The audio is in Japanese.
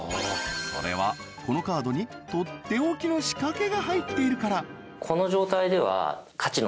それはこのカードにとっておきの仕掛けが入っているからそうなんですか？